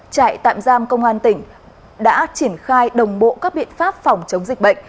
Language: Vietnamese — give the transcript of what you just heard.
trại tạm giam công an tỉnh đã triển khai đồng bộ các biện pháp phòng chống dịch bệnh